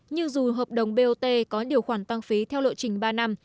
nhưng dù hợp đồng bot có điều khoản tăng phí theo lộ trình ba năm